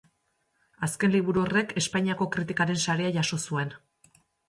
Azken liburu horrek Espainiako Kritikaren Saria jaso zuen.